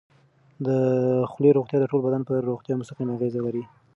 د خولې روغتیا د ټول بدن پر روغتیا مستقیمه اغېزه لري.